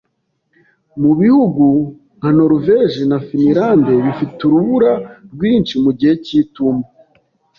Mu bihugu nka Noruveje na Finlande, bifite urubura rwinshi mu gihe cy'itumba.